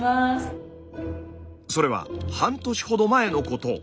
それは半年ほど前のこと。